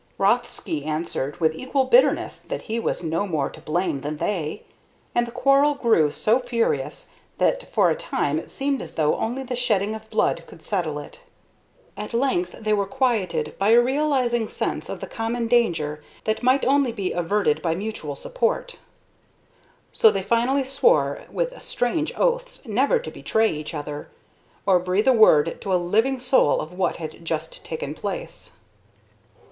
Rothsky answered with equal bitterness that he was no more to blame than they, and the quarrel grew so furious that for a time it seemed as though only the shedding of blood could settle it. At length they were quieted by a realizing sense of the common danger that might only be averted by mutual support. So they finally swore with strange oaths never to betray each other, or breathe a word to a living soul of what had just taken place.